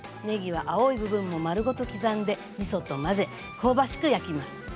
ねぎは青い部分も丸ごと刻んでみそと混ぜ香ばしく焼きます。